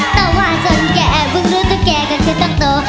ต่อมาจนแกบึงรู้ตุ๊กแกก็คือตุ๊กโต